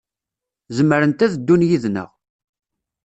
Zemrent ad ddun yid-neɣ.